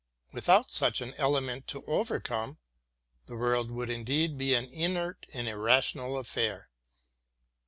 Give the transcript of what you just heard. Without such an element to overcome, the world would indeed be an inert and irrational affair.